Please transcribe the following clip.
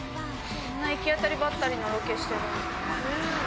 こんな行き当たりばったりのロケしてるんだね。